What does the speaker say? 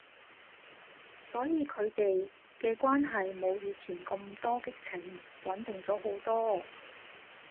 所以佢哋嘅關係冇以前咁多激情，穩定咗好多